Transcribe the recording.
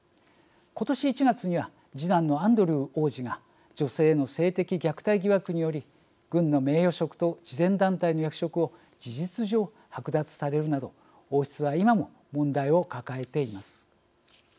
今年１月には次男のアンドルー王子が女性への性的虐待疑惑により軍の名誉職と慈善団体の役職を事実上、はく奪されるなど王室は今も問題を抱えています。